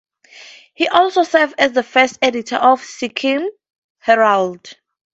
He also served as the first editor of "Sikkim Herald".